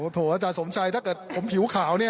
โถอาจารย์สมชัยถ้าเกิดผมผิวขาวเนี่ย